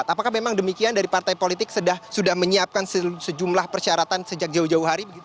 apakah memang demikian dari partai politik sudah menyiapkan sejumlah persyaratan sejak jauh jauh hari